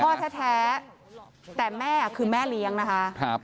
พ่อแท้แต่แม่คือแม่เลี้ยงนะคะครับ